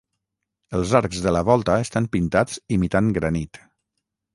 Els arcs de la volta estan pintats imitant granit.